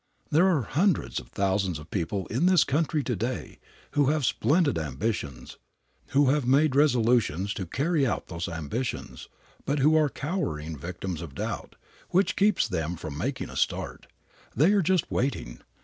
There are hundreds of thousands of people in this country to day who have splendid ambitions, who have made resolutions to carry out those ambitions, but who are cowering victims of doubt, which keeps them from making a start. They are just waiting.